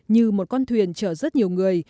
như một con thuyền chở rất nhiều người